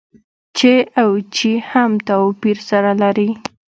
چې او چي هم توپير سره لري.